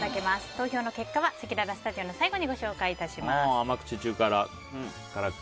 投票の結果はせきららスタジオの最後に甘口、中辛、辛口。